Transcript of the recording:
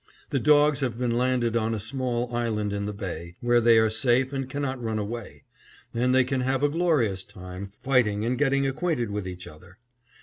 The dogs have been landed on a small island in the bay, where they are safe and cannot run away, and they can have a glorious time, fighting and getting acquainted with each other.